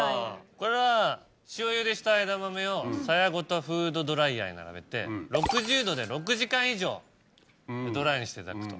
これは塩ゆでした枝豆をさやごとフードドライヤーに並べて６０度で６時間以上ドライにしていただくと。